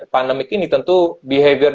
pandemi ini tentu behavior